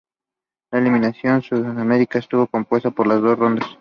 La eliminatoria sudamericana estuvo compuesta por dos rondas.